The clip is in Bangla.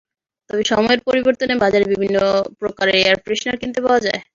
তবে সময়ের পরিবর্তনে বাজারে বিভিন্ন প্রকারের এয়ার ফ্রেশনার কিনতে পাওয়া যায়।